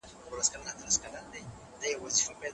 غازي امان الله خان د افغانستان ابدي اتل دی.